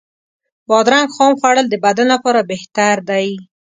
بادرنګ خام خوړل د بدن لپاره بهتر دی.